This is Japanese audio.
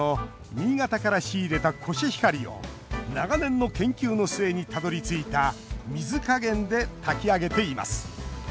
新潟から仕入れたコシヒカリを長年の研究の末にたどりついた水加減で炊き上げています。